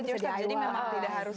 jadi memang tidak harus